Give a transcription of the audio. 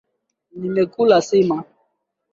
Nimekula sima.